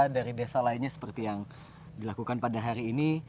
dari desa lainnya seperti yang dilakukan pada hari ini